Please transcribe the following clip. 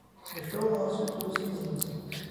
The show lasted two seasons.